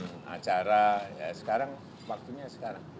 dan acara ya sekarang waktunya sekarang